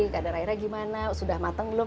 kadang kadang gimana sudah matang belum